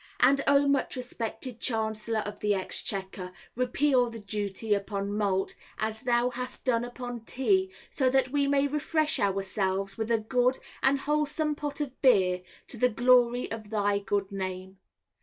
And O, much respected Chancellor of the Exchequer, repeal the duty upon malt, as thou hast done upon tea, so that we may refresh ourselves with a good and wholesome pot of beer, to the glory of thy good name.